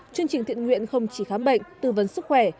chương trình thiện nguyện không chỉ khám bệnh tư vấn sức khỏe